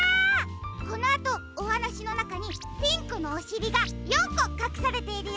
このあとおはなしのなかにピンクのおしりが４こかくされているよ。